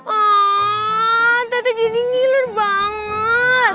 aaaaah tata jadi ngiler banget